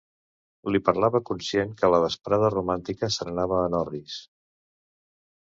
Li parlava conscient que la vesprada romàntica se n’anava en orris.